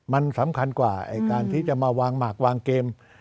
มันสำคัญกว่าการที่จะมาวางหมากวางเกม